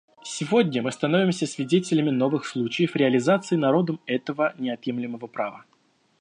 Сегодня мы становимся свидетелями новых случаев реализации народом этого неотъемлемого права.